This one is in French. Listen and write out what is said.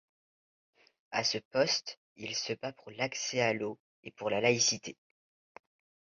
À ce poste, il se bat pour l’accès à l’eau et pour la laïcité.